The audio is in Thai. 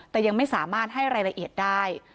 แต่ยังไม่สามารถให้รายละเอียดได้